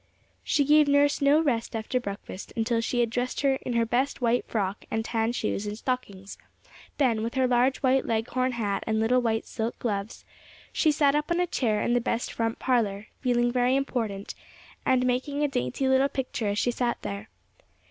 She gave nurse no rest after breakfast until she had dressed her in her best white frock and tan shoes and stockings; then, with her large white Leghorn hat and little white silk gloves, she sat up on a chair in the best front parlour, feeling very important, and making a dainty little picture as she sat there.